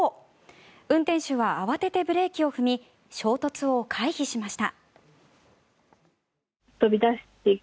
運転手は慌ててブレーキを踏み衝突を回避しました。